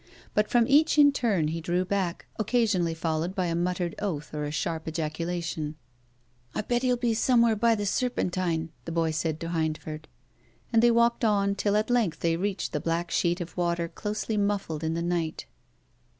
Hut from each in turn he drew back, occasionally followed by a muttered oath or a sharp ejaculation. " I bet he'll be somewhere by the Serpentine," the boy said to Hindford. And they walked on till at length they reached the black sheet of water closely mufTlcd in the night.